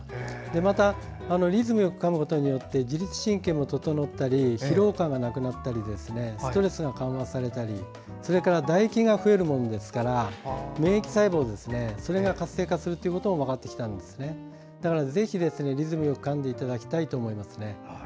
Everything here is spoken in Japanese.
また、リズムよくかむことで自律神経も整ったり疲労感がなくなったりストレスが緩和されたり唾液が増えるので免疫細胞が活性化することも分かってきましたのでぜひ、リズムよくかんでいただきたいと思います。